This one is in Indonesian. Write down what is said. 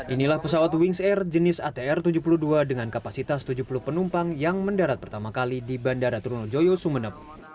inilah pesawat wings air jenis atr tujuh puluh dua dengan kapasitas tujuh puluh penumpang yang mendarat pertama kali di bandara trunojoyo sumeneb